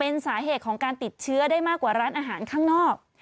เป็นสาเหตุของการติดเชื้อได้มากกว่าร้านอาหารข้างนอก